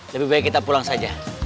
lebih baik kita pulang saja